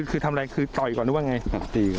คือทำอะไรคือต่อยก่อนหรือว่าไง